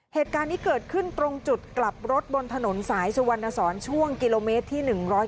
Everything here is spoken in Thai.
เหตุการณ์นี้เกิดขึ้นตรงจุดกลับรถบนถนนสายสุวรรณสอนช่วงกิโลเมตรที่๑๒